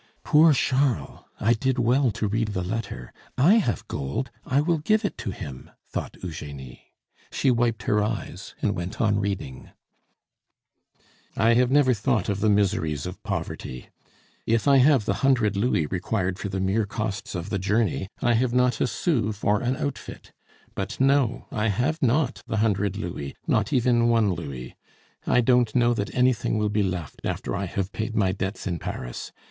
"Poor Charles! I did well to read the letter. I have gold; I will give it to him," thought Eugenie. She wiped her eyes, and went on reading. I have never thought of the miseries of poverty. If I have the hundred louis required for the mere costs of the journey, I have not a sou for an outfit. But no, I have not the hundred louis, not even one louis. I don't know that anything will be left after I have paid my debts in Paris.